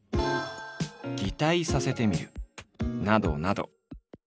「擬態させてみる」などなど。